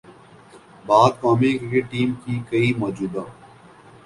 بعد قومی cricket team کے کئی موجودہ